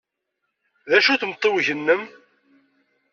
D acu-t umtiweg-nnem?